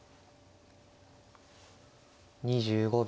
２５秒。